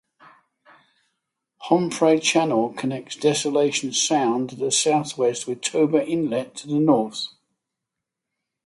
Homfray Channel connects Desolation Sound to the southwest with Toba Inlet to the north.